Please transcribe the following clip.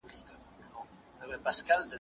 ایا ماشومانو نن خپل کار کړی دی؟